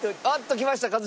あっときました。